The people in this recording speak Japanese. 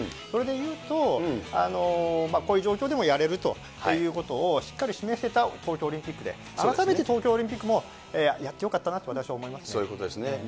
それで言うと、こういう状況でもやれるということをしっかり示せた東京オリンピックで、改めて東京オリンピックも、やってよかったなと私は思いそういうことですね。